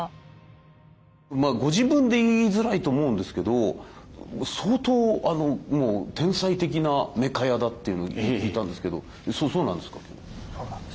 ご自分で言いづらいと思うんですけど相当もう天才的なメカ屋だというふうに聞いたんですけどそうなんですか？